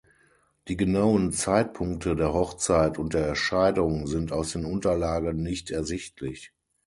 Die genauen Zeitpunkte der Hochzeit und der Scheidung sind aus den Unterlagen nicht ersichtlich.